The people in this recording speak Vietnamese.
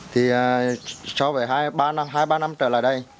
thì so với hai ba năm trở lại đây